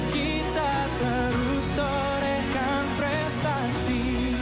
kita terus terekam prestasi